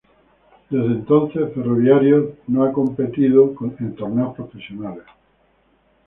Desde entonces, Ferroviarios no ha competido en torneos profesionales.